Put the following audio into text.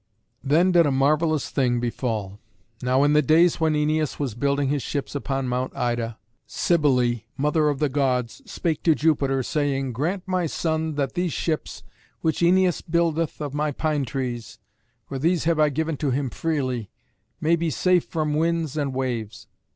Then did a marvellous thing befall. Now in the days when Æneas was building his ships upon Mount Ida, Cybelé, mother of the Gods, spake to Jupiter, saying "Grant, my son, that these ships, which Æneas buildeth of my pine trees, for these have I given to him freely, may be safe from winds and waves."